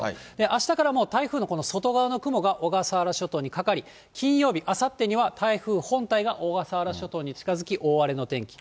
あしたから台風の外側の雲が小笠原諸島にかかり、金曜日、あさってには、台風本体が小笠原諸島に近づき、大荒れの天気。